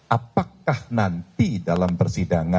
apakah nanti dalam persidangan